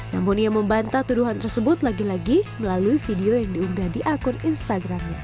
namun ia membantah tuduhan tersebut lagi lagi melalui video yang diunggah di akun instagramnya